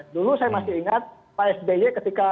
dulu saya masih ingat pak sby ketika